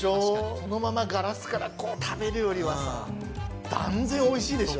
そのままガラスから食べるよりはさあ、断然おいしいでしょ！